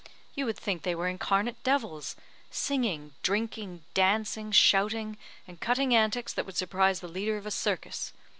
You would think they were incarnate devils; singing, drinking, dancing, shouting, and cutting antics that would surprise the leader of a circus.